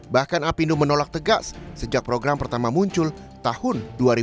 bahkan apindo menolak tegas sejak program pertama muncul tahun dua ribu dua puluh